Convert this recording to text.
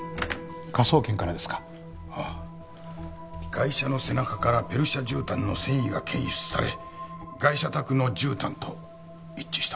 ガイシャの背中からペルシャ絨毯の繊維が検出されガイシャ宅の絨毯と一致した。